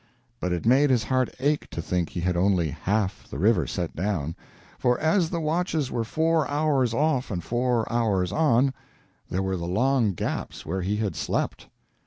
but it made his heart ache to think he had only half the river set down, for, as the watches were four hours off and four hours on, there were the long gaps where he had slept.